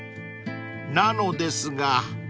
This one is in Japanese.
［なのですが］